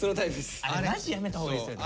あれマジやめたほうがいいっすよね。